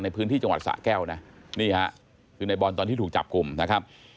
ในพื้นที่จังหวัดสะแก้วนะนี่ฮะคือในบอลตอนที่ถูกจับกลุ่มนะครับ